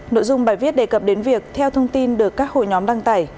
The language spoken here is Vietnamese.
nội dung bài viết đề cập đến việc theo thông tin được các hội nhóm đăng tải